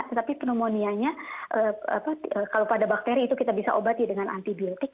tetapi pneumonianya kalau pada bakteri itu kita bisa obati dengan antibiotik